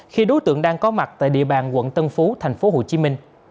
khi đối tượng đang có mặt tại địa bàn quận tân phú tp hcm